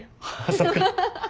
そっか。